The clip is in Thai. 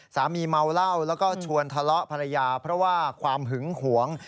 สามีเมาเหล้าแล้วก็ชวนทะเลาะภรรยาเพราะว่าความหึงหวง